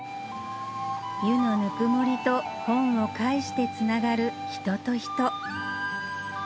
湯のぬくもりと本を介してつながる人と人